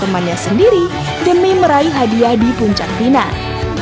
temannya sendiri demi meraih hadiah di puncak pinang